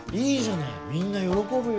みんな喜ぶよ。